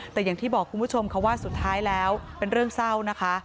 แต่อย่างที่บอกคุณผู้ชมค่ะว่าสุดท้ายแล้วเป็นเรื่องเศร้านะคะ